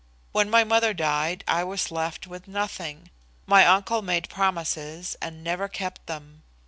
When my mother died I was left with nothing. My uncle made promises and never kept them.